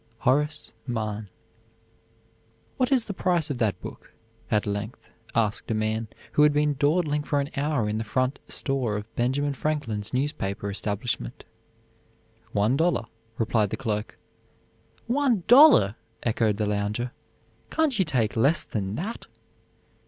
HORACE MANN. "What is the price of that book?" at length asked a man who had been dawdling for an hour in the front store of Benjamin Franklin's newspaper establishment. "One dollar," replied the clerk. "One dollar," echoed the lounger; "can't you take less than that?"